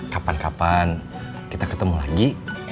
kapan kapan kita ketemu lagi